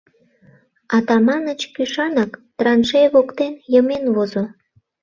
Атаманыч кӱшанак, траншей воктен, йымен возо.